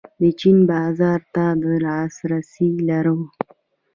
د چین بازار ته لاسرسی لرو؟